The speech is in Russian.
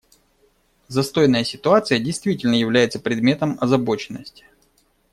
Застойная ситуация действительно является предметом озабоченности.